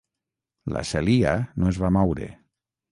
La Celia no es va moure.